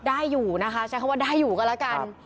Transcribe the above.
ได้อยู่นะคะใช้คำว่าได้อยู่ก็แล้วกัน